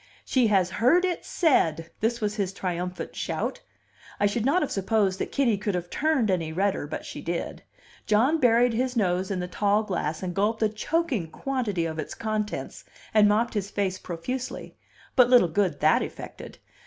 "She has heard it said!" This was his triumphant shout. I should not have supposed that Kitty could have turned any redder, but she did. John buried his nose in his tall glass, and gulped a choking quantity of its contents, and mopped his face profusely; but little good that effected.